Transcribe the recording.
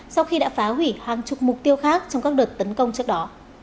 sau khi đã phá hủy hàng chục mục tiêu khác trong các đợt tấn công trước đó